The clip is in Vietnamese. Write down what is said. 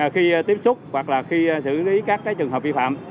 khi tiếp xúc hoặc là khi xử lý các trường hợp vi phạm